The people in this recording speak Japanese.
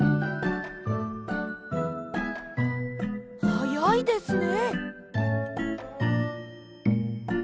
はやいですね！